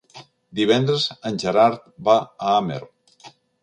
Divendres en Gerard va a Amer.